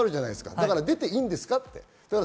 だから出ていいんですか？